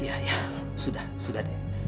ya ya sudah sudah deh